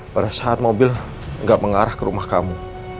pada saat mobil tidak mengarah ke rumah kamu